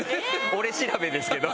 俺調べですけど。